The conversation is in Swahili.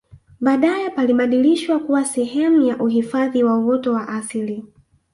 baadae palibadilishwa kuwa sehemu ya uhifadhi wa uoto wa asili